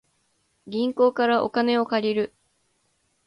銀行からお金を借りる